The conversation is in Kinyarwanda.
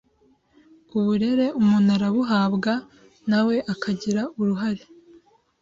uburere umuntu arabuhabwa na we akagira uruhare